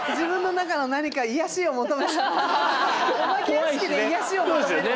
お化け屋敷で癒やしを求める女という。